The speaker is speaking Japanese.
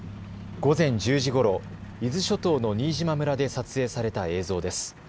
午前１０時ごろ、伊豆諸島の新島村で撮影された映像です。